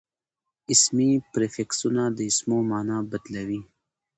اسمي پریفکسونه د اسمو مانا بدلوي.